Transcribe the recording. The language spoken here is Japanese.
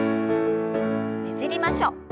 ねじりましょう。